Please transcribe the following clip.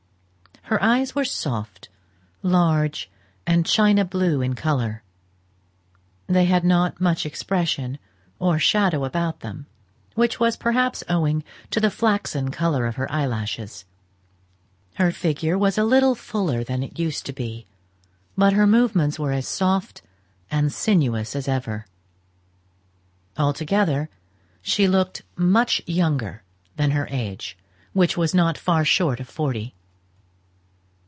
Her eyes were soft, large, and china blue in colour; they had not much expression or shadow about them, which was perhaps owing to the flaxen colour of her eyelashes. Her figure was a little fuller than it used to be, but her movements were as soft and sinuous as ever. Altogether, she looked much younger than her age, which was not far short of forty.